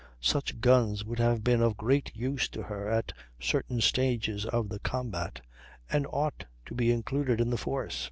Such guns would have been of great use to her at certain stages of the combat, and ought to be included in the force.